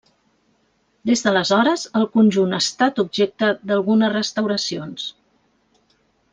Des d'aleshores, el conjunt ha estat objecte d'algunes restauracions.